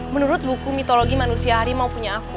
menurut buku mitologi manusia harimau punya aku